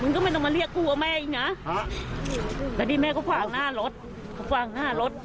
มึงก็ไม่ต้องมาเรียกกูกับแม่อีกนะครับแต่นี่แม่ก็ฝ่างหน้ารถ